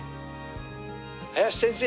林先生